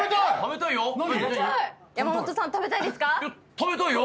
食べたいよ。